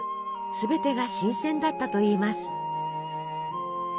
すべてが新鮮だったといいます。